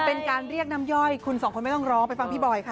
เป็นการเรียกน้ำย่อยคุณสองคนไม่ต้องร้องไปฟังพี่บอยค่ะ